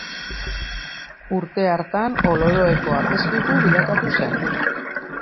Urte hartan Oloroeko apezpiku bilakatu zen.